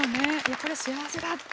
これは幸せだ！って。